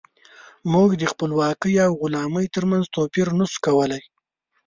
موږ د خپلواکۍ او غلامۍ ترمنځ توپير نشو کولی.